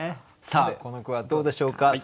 さあこの句はどうでしょうか？